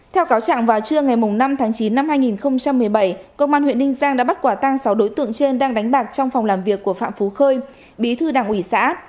theo cáo trạng vào trưa ngày năm tháng chín năm hai nghìn một mươi bảy công an huyện ninh giang đã bắt quả tăng sáu đối tượng trên đang đánh bạc trong phòng làm việc của phạm phú khơi bí thư đảng ủy xã